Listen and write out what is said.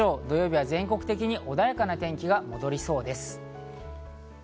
土曜日は全国的に穏やかな天気が戻りそうです。